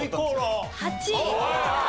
８位。